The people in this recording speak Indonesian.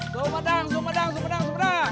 sumedang sumedang sumedang